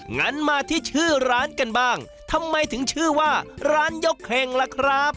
งั้นมาที่ชื่อร้านกันบ้างทำไมถึงชื่อว่าร้านยกเข็งล่ะครับ